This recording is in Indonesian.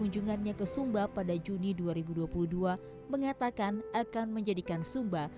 kunjungannya ke sumba pada juni dua ribu dua puluh dua mengatakan akan menjadikan sumba